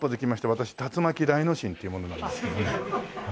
私竜巻雷之進っていう者なんですけども。